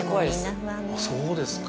そうですか。